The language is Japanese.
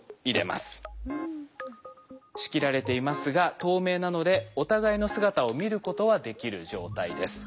仕切られていますが透明なのでお互いの姿を見ることはできる状態です。